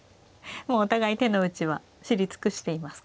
もうお互い手の内は知り尽くしていますか。